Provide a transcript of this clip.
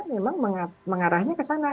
memang mengarahnya ke sana